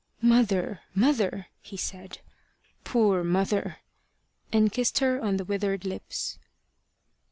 "Mother, mother!" he said. "Poor mother!" and kissed her on the withered lips.